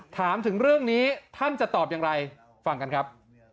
ถามถึงเรื่องนี้ท่านจะตอบอย่างไรฟังกันครับ